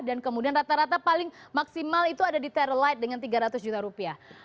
dan kemudian rata rata paling maksimal itu ada di terallight dengan tiga ratus juta rupiah